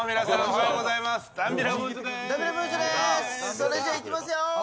それじゃあ、いきますよ